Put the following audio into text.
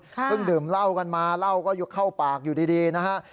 ดื่มเหล้ากันมาเหล้าก็เข้าปากอยู่ดีนะฮะ